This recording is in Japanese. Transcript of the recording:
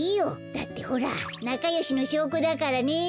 だってほらなかよしのしょうこだからね。